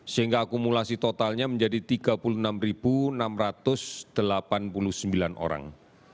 sehingga akumulasi totalnya menjadi tiga puluh enam enam ratus delapan puluh sembilan orang